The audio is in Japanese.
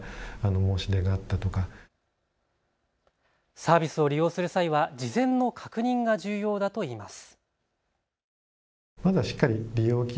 サービスを利用する際は事前の確認が重要だといいます。